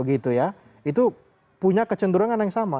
itu punya kecenderungan yang sama